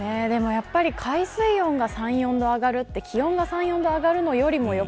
海水温が３、４度上がるって気温が３、４度上がるよりも。